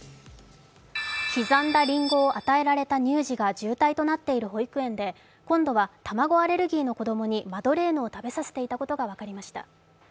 刻んだりんごを与えられた乳児が重体となっている保育園で今度は卵アレルギーの子供にマドレーヌを食べさせていたことが分かりました。